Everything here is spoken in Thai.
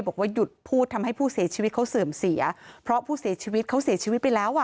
บอกว่าหยุดพูดทำให้ผู้เสียชีวิตเขาเสื่อมเสียเพราะผู้เสียชีวิตเขาเสียชีวิตไปแล้วอ่ะ